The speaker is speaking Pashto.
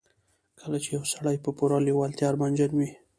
کله چې يو سړی په پوره لېوالتیا ارمانجن وي.